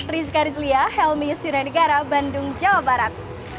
rizka rizlia helmius yurianegara bandung jawa barat